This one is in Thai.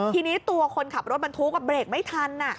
ทีนี้ตัวคนขับรถบรรทุกเบรกไม่ทัน